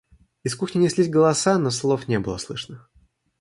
Из кухни неслись голоса, но слов не было слышно.